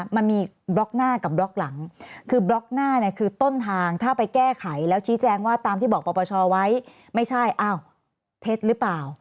มันมีบล็อกหน้ากับบล็อกหลังคือบล็อกหน้าเนี่ยคือต้นทางถ้าไปแก้ไขแล้วชี้แจงว่าตามที่บอกปปชไว้ไม่ใช่อ้าวเท็จหรือเปล่า